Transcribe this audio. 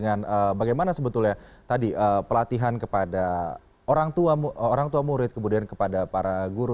terkait dengan bagaimana sebetulnya pelatihan kepada orang tua murid kemudian kepada para guru